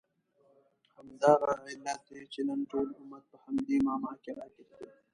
همدغه علت دی چې نن ټول امت په همدې معما کې راګیر دی.